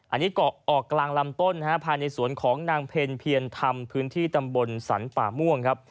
อันนี้เกาะออกกลางลำต้นภายในสวนของนางเพ็ญเพียรธรรมพื้นที่ตำบลสรรป่าม่วงครับ